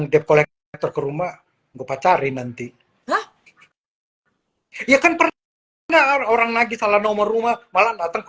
di kolektor ke rumah gue pacarin nanti ya kan orang lagi salah nomor rumah malah datang ke